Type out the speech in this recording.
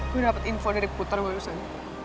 gue dapat info dari putar barusan